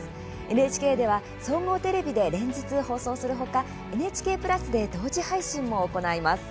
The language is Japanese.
ＮＨＫでは総合テレビで連日放送する他ＮＨＫプラスで同時配信も行います。